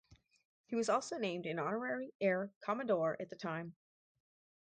He was also named an honorary air commodore at the time.